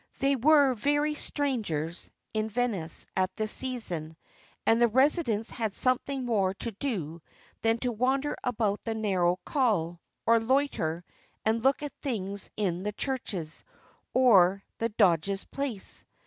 There were very few strangers in Venice at this season, and the residents had something more to do than to wander about the narrow calle, or loiter and look at things in the churches, or the Doge's Palace.